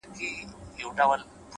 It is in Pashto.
زما د زما د يار راته خبري کوه،